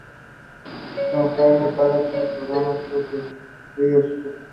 Don Jaime de Palafox y Cardona fue sobrino suyo.